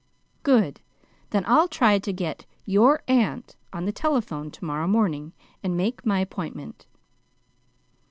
"Good! Then I'll try to get YOUR AUNT on the telephone to morrow morning and make my appointment."